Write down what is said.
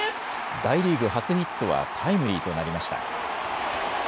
大リーグ初ヒットはタイムリーとなりました。